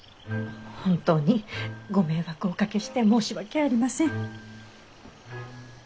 本当にご迷惑をおかけして申し訳ありません。